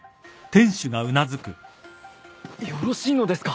よろしいのですか。